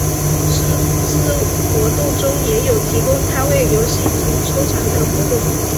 是次活动中也有提供摊位游戏及抽奖等活动。